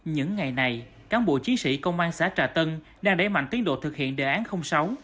những ngày này cán bộ chiến sĩ công an xã trà tân đang đẩy mạnh tiến độ thực hiện đề án sáu